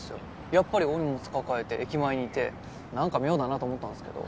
やっぱり大荷物抱えて駅前にいてなんか妙だなと思ったんすけど。